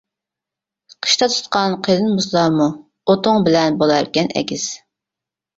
قىشتا تۇتقان قېلىن مۇزلارمۇ، ئوتۇڭ بىلەن بولاركەن ئەگىز.